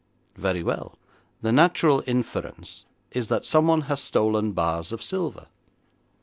'Very well, the natural inference is that someone has stolen bars of silver.